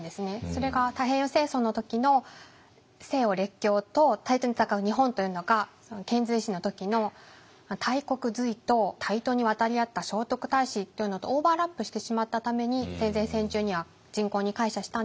それが太平洋戦争の時の西洋列強と対等に戦う日本というのが遣隋使の時の大国隋と対等に渡り合った聖徳太子というのとオーバーラップしてしまったために戦前戦中には人口に膾炙したんですけども。